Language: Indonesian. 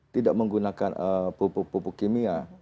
tidak menggunakan pupuk pupuk kimia